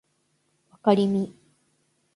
わかりみ